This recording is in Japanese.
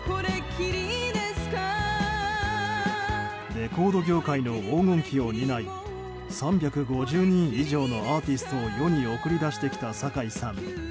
レコード業界の黄金期を担い３５０人以上のアーティストを世に送り出してきた酒井さん。